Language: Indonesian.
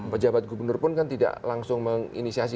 pejabat gubernur pun kan tidak langsung menginisiasi